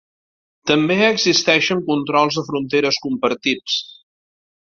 També existeixen controls de fronteres compartits.